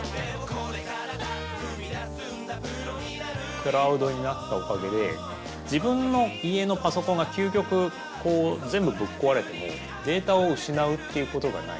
クラウドになったおかげで自分の家のパソコンが究極全部ぶっこわれてもデータを失うっていうことがない。